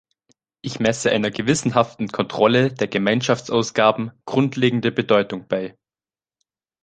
Ich messe einer gewissenhaften Kontrolle der Gemeinschaftsausgaben grundlegende Bedeutung bei.